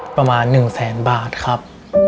ประมาณ๑แสนบาทครับ